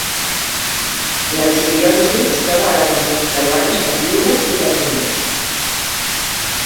L'arxidiòcesi es troba a les regions peruanes de Piura i de Tumbes.